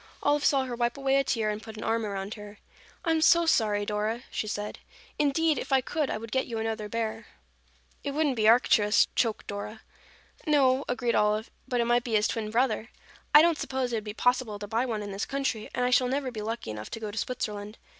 Olive saw her wipe away a tear and put an arm around her. "I am so sorry, Dora," she said. "Indeed, if I could, I would get you another bear." "It wouldn't be Arcturus," choked Dora. "No," agreed Olive, "but it might be his twin brother. I don't suppose it would be possible to buy one in this country, and I shall never be lucky enough to go to Switzerland.